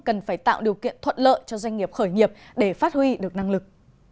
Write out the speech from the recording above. cần phải tạo điều kiện thuận lợi cho doanh nghiệp khởi nghiệp để phát huy được năng lực